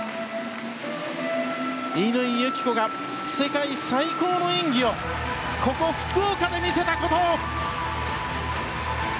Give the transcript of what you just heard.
乾友紀子が世界最高の演技をここ福岡で見せたことを！